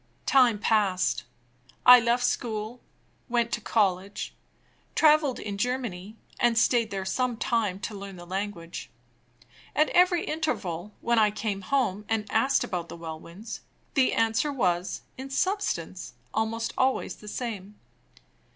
Time passed. I left school went to college traveled in Germany, and stayed there some time to learn the language. At every interval when I came home, and asked about the Welwyns, the answer was, in substance, almost always the same.